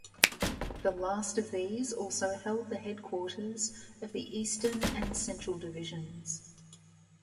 The last of these also held the headquarters of the Eastern and Central Divisions.